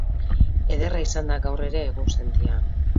Ederra izan da gaur ere egunsentia.